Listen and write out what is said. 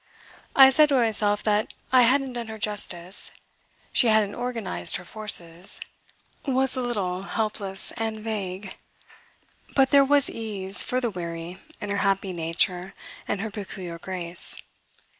I said to myself that I hadn't done her justice; she hadn't organised her forces, was a little helpless and vague, but there was ease for the weary in her happy nature and her peculiar grace.